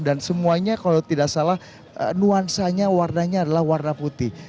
dan semuanya kalau tidak salah nuansanya warnanya adalah warna putih